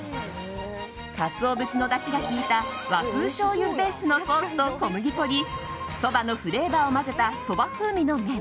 カツオ節のだしが効いた和風しょうゆベースのだしと小麦粉に、そばのフレーバーを混ぜたそば風味の麺。